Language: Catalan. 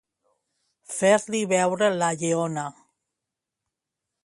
Fer-li veure la lleona.